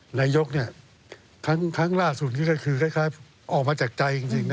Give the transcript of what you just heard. กับรายยกเนี้ยครั้งครั้งล่าสุดนี้ก็คือคล้ายคล้ายออกมาจากใจจริงจริงน่ะ